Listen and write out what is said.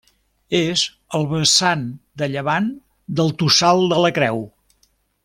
És al vessant de llevant del Tossal de la Creu.